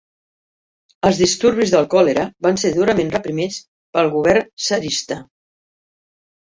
Els disturbis del còlera van ser durament reprimits pel govern tsarista.